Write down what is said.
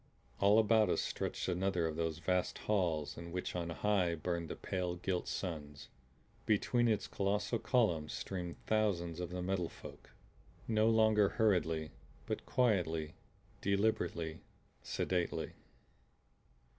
All about us stretched another of those vast halls in which on high burned the pale gilt suns. Between its colossal columns streamed thousands of the Metal Folk; no longer hurriedly, but quietly, deliberately, sedately.